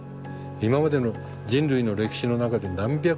今までの人類の歴史の中で何百億